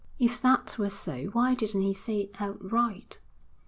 'If that were so why didn't he say it outright?'